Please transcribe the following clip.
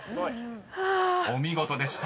［お見事でした］